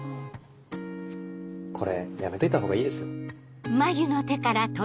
これやめといた方がいいですよ。